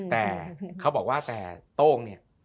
แต่เขาบอกว่าแต่โต้งเนี่ย